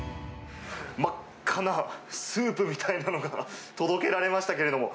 真っ赤なスープみたいなのが届けられましたけれども。